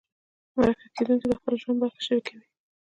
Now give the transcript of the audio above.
مرکه کېدونکی د خپل ژوند برخې شریکوي.